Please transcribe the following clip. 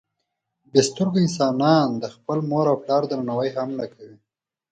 بې سترګو انسانان د خپل مور او پلار درناوی هم نه کوي.